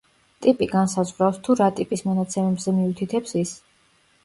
ტიპი განსაზღვრავს თუ რა ტიპის მონაცემზე მიუთითებს ის.